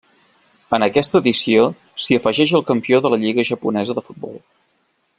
En aquesta edició s'hi afegeix el campió de la Lliga japonesa de futbol.